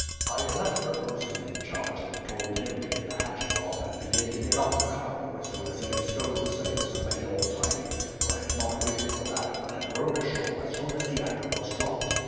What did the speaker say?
"I had left the bosun in charge, and told him to get the hatches off and begin to get up the cargo as soon as he had stowed the sails and made all tidy; for I had not waited for that, but had rowed ashore as soon as the anchor was dropped.